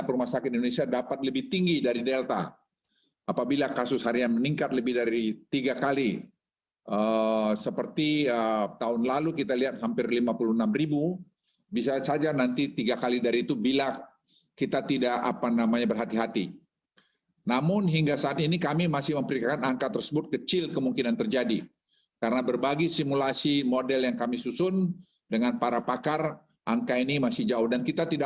pemerintah mengklaim naiknya kasus covid sembilan belas